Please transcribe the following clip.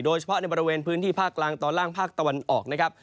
โดยเฉพาะในบริเวณพื้นที่ภาคกลางตอนล่างภาคตะวันออกนะครับ